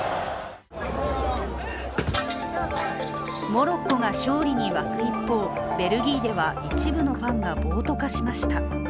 モロッコが勝利に沸く一方、ベルギーでは一部のファンが暴徒化しました。